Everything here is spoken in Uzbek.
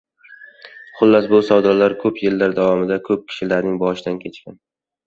Xullas, bu savdolar ko‘p yillar davomida ko‘p kishilaming boshidan kechgan.